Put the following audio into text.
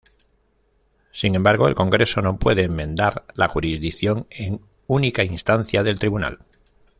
Sin embargo, el Congreso no puede enmendar la jurisdicción en única instancia del Tribunal.